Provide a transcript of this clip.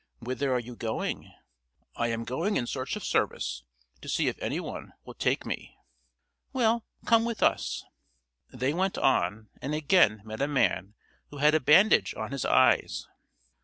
"Whither are you going?" "I am going in search of service, to see if any one will take me." "Well, come with us." They went on, and again met a man who had a bandage on his eyes.